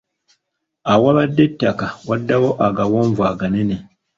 Awabadde ettaka waddawo agawonvu aganene.